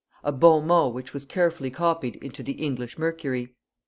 A bon mot which was carefully copied into The English Mercury.